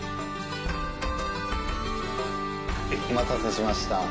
お待たせしました。